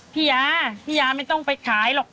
พี่ยาพี่ยาไม่ต้องไปขายหรอก